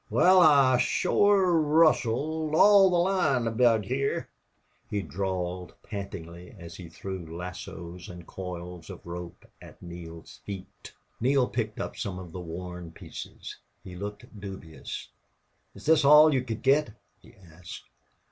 "Wal I shore rustled all the line aboot heah," he drawled, pantingly, as he threw lassoes and coils of rope at Neale's feet. Neale picked up some of the worn pieces. He looked dubious. "Is this all you could get?" he asked.